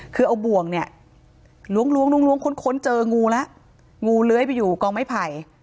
คือเอาบ่วงเนี่ยล้วงค้นเจองูแล้วงูเลื้อยไปอยู่กองไม้ไผ่